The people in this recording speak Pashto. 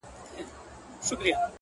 دا سیکي چلېږي دا ویناوي معتبري دي,